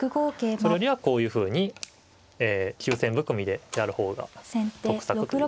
それよりはこういうふうに急戦含みでやる方が得策という。